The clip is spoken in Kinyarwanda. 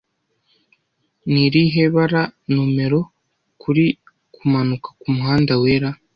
Ni irihe bara numero kuri Kumanuka kumuhanda Wera